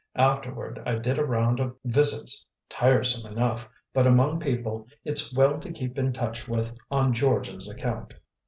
Afterward I did a round of visits tiresome enough, but among people it's well to keep in touch with on George's account."